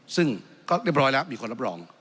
ซึ่งก็เรียบร้อยแล้วมีคนรับรอง